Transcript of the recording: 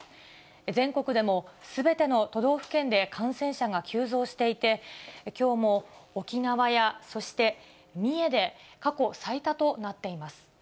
全国でもすべての都道府県で感染者が急増していて、きょうも沖縄や、そして三重で過去最多となっています。